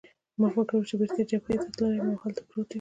ما فکر وکړ چې بېرته جبهې ته تللی یم او هلته پروت یم.